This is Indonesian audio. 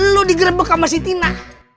lu digerebek sama si tina